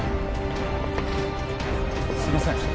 すいません。